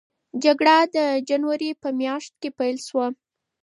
جګړه د جنورۍ په میاشت کې پیل شوه.